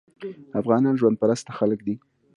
افغانان ژوند پرسته خلک دي.